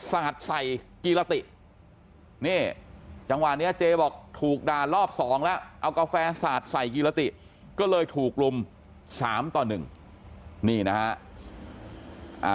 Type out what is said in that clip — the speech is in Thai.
สาดใส่กีรตินี่จังหวะนี้เจบอกถูกด่ารอบสองแล้วเอากาแฟสาดใส่กีรติก็เลยถูกลุม๓ต่อ๑นี่นะฮะ